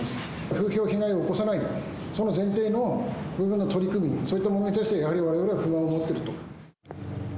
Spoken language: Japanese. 風評被害を起こさない、その前提のいろんな取り組み、そういったものに対してわれわれは不満を持っていると。